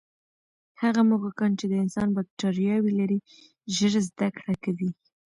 هغه موږکان چې د انسان باکټرياوې لري، ژر زده کړه کوي.